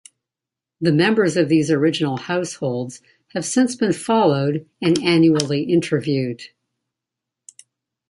The members of these original households have since been followed and annually interviewed.